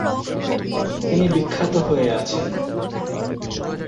তিনি বিখ্যাত হয়ে আছেন।